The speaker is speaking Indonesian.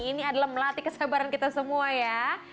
ini adalah melatih kesabaran kita semua ya